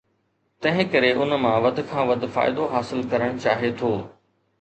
تنهنڪري ان مان وڌ کان وڌ فائدو حاصل ڪرڻ چاهي ٿو.